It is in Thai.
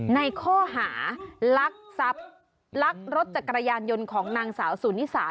ในข้อหาลักรถจากกระยานยนต์ของนางสาวสุนิษฐา